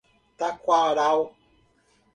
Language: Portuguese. Taquaral